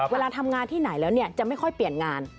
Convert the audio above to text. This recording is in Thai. เวลาทำงานที่ไหนแล้วจะไม่ค่อยเปลี่ยนงาน